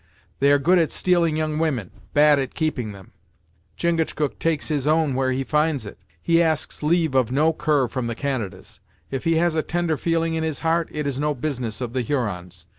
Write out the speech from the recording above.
They are good at stealing young women; bad at keeping them. Chingachgook takes his own where he finds it; he asks leave of no cur from the Canadas. If he has a tender feeling in his heart, it is no business of the Hurons.